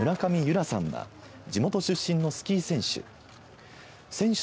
空さんは地元出身のスキー選手。